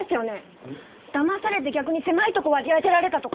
だまされて逆に狭い所割り当てられたとか？